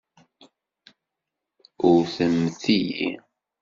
Wwtemt-iyi.